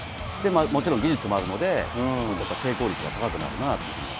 もちろん技術もあるので、成功率が高くなるなという。